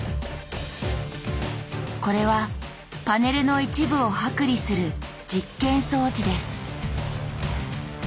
これはパネルの一部を剥離する実験装置です。